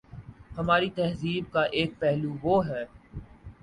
ہماری تہذیب کا ایک پہلو وہ ہے۔